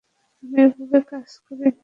আমি এভাবেই কাজ করি।